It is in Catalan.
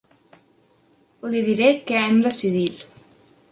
Li diré què hem decidit.